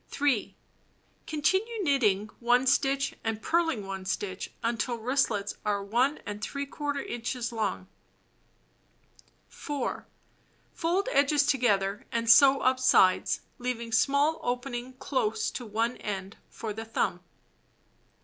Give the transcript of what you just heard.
3. Continue knitting 1 stitch and purling 1 stitch until wristlets are If inches long. 4. Fold edges together and sew up sides, leaving small opening close to one end for the thumb.